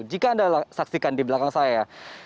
jika anda saksikan di belakang saya